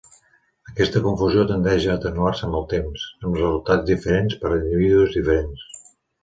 Aquesta confusió tendeix a atenuar-se amb el temps, amb resultats diferents per a individus diferents.